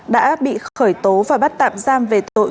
đã bị khởi tố và bắt tạm giam về tội